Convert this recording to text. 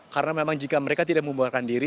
karena memang jika mereka tidak membubarkan diri